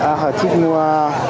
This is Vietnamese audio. a hờ thích mua